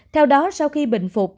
theo đó sau khi bệnh phục